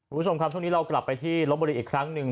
คุณผู้ชมครับช่วงนี้เรากลับไปที่ลบบุรีอีกครั้งหนึ่ง